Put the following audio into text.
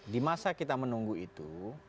di masa kita menunggu itu